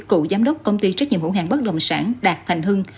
cựu giám đốc công ty trách nhiệm hữu hạng bất động sản đạt thành hưng